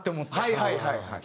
はいはいはいはい。